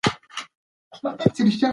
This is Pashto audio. مخامخ خبرې اغیزمنې وي.